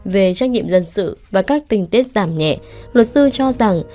về trách nhiệm dân sự và các tình tiết giảm nhẹ luật sư cho rằng